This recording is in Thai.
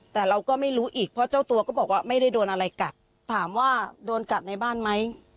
แต่เราก็ไม่รู้อีกเพราะเจ้าตัวก็บอกว่าไม่ได้โดนอะไรกัดถามว่าโดนกัดในบ้านไหม